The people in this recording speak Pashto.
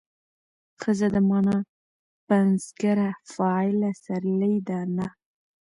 ښځه د مانا پنځګره فاعله سرلې ده نه